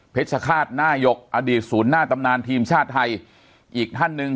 ชคาตหน้ายกอดีตศูนย์หน้าตำนานทีมชาติไทยอีกท่านหนึ่ง